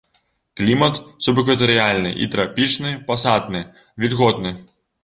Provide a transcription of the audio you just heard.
Клімат субэкватарыяльны і трапічны пасатны, вільготны.